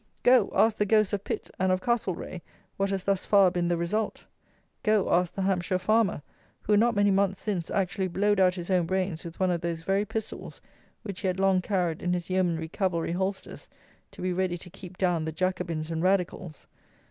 Go, ask the ghosts of Pitt and of Castlereagh what has thus far been the result! Go, ask the Hampshire farmer, who, not many months since, actually blowed out his own brains with one of those very pistols which he had long carried in his Yeomanry Cavalry holsters, to be ready "to keep down the Jacobins and Radicals!"